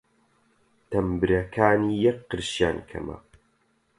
تەمبرەکانی یەک قرشیان کەمە!